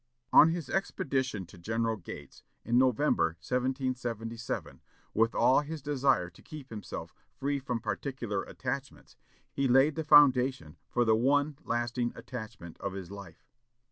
On his expedition to General Gates, in November, 1777, with all his desire to keep himself "free from particular attachments," he laid the foundation for the one lasting attachment of his life.